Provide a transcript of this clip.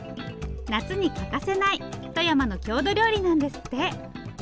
夏に欠かせない富山の郷土料理なんですって。